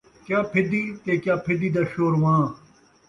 کیا پِھدّی تے کیا پِھدّی دا شورواں